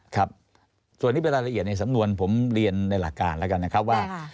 ครับส่วนนี้เป็นรายละเอียดในสำนวนผมเรียนในหลักการแล้วกันนะครับว่า